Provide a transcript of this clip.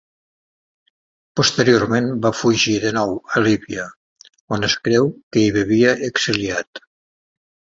Posteriorment va fugir de nou a Líbia, on es creu que hi vivia exiliat.